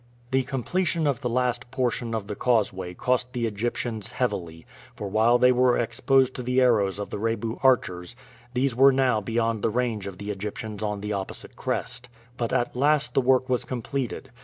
The completion of the last portion of the causeway cost the Egyptians heavily, for while they were exposed to the arrows of the Rebu archers these were now beyond the range of the Egyptians on the opposite crest. But at last the work was completed.